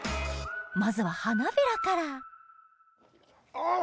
まずは花びらからあっ！